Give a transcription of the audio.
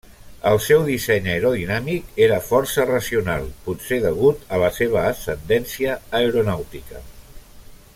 El seu disseny aerodinàmic era força racional, potser degut a la seva ascendència aeronàutica.